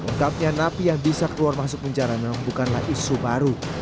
ungkapnya napi yang bisa keluar masuk penjara memang bukanlah isu baru